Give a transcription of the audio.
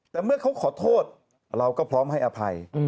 แต่เมื่อเขาขอโทษเราก็พร้อมให้อภัย